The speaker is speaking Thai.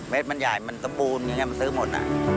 เม็ดมันใหญ่มันสบูร์มันซื้อหมด